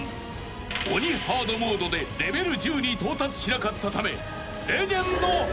［鬼ハードモードでレベル１０に到達しなかったため］